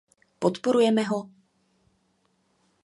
Podporujeme ho?